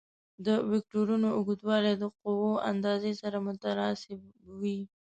د وکتورونو اوږدوالی د قوو اندازې سره متناسب وي.